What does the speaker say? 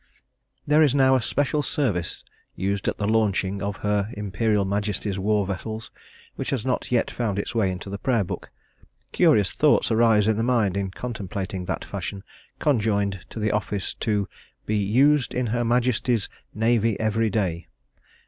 There is now a special service used at the launching of her Imperial Majesty's war vessels which has not yet found its way into the Prayer Book; curious thoughts arise in the mind in contemplating that fashion, conjoined to the office to be "used in her Majesty's navy every day."